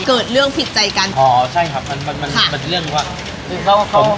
เกิดเรื่องผิดใจกันอ๋อใช่ครับมันมันค่ะมันเรื่องว่าคือเขาก็เขา